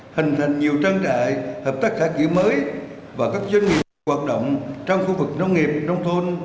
hành thành nhiều trang trại hợp tác khả kỷ mới và các doanh nghiệp hoạt động trong khu vực nông nghiệp nông thôn